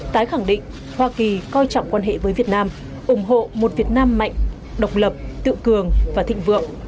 tái khẳng định hoa kỳ coi trọng quan hệ với việt nam ủng hộ một việt nam mạnh độc lập tự cường và thịnh vượng